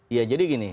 iya jadi gini